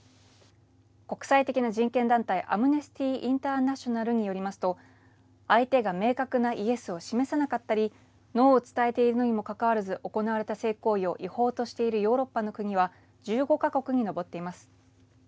国際的な人権団体アムネスティ・インターナショナルによりますと相手が明確なイエスを示さなかったりノーを伝えているのにもかかわらず行われた性行為を違法としているヨーロッパの国は１５か国に上っています。